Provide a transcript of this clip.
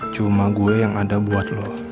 cuma gue yang ada buat lo